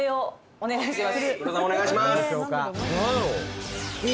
お願いします